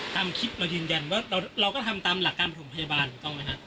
ตามคิดเรายืนยันว่าเราก็ทำตามหลักการปฐมพยาบาลต้องไหมครับ